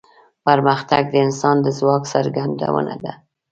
پرمختګ د انسان د ځواک څرګندونه ده.